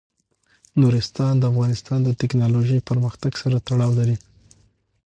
نورستان د افغانستان د تکنالوژۍ پرمختګ سره تړاو لري.